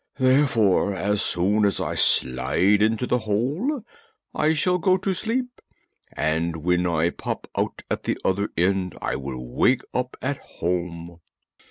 Therefore, as soon as I slide into the hole I shall go to sleep, and when I pop out at the other end I will wake up at home."